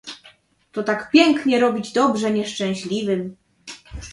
"To tak pięknie robić dobrze nieszczęśliwym!.."